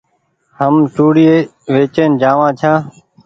هم چوڙي وچيئن جآ وآن ڇآن ۔